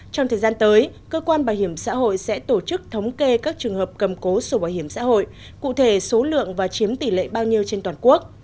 trong thời gian tới cơ quan bảo hiểm xã hội sẽ tổ chức thống kê các trường hợp cầm cố sổ bảo hiểm xã hội cụ thể số lượng và chiếm tỷ lệ bao nhiêu trên toàn quốc